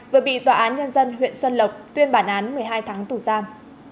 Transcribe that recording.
vừa bị tòa án nhân dân huyện xuân lộc tuyên bản án một mươi hai tháng tù giam